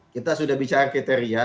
kita sudah bicara kriteria